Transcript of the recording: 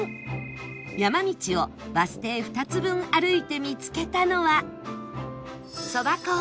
山道をバス停２つ分歩いて見つけたのは